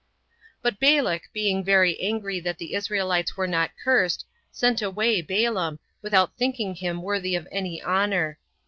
6. But Balak being very angry that the Israelites were not cursed, sent away Balaam without thinking him worthy of any honor.